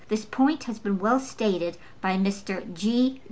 This point has been well stated by Mr. G.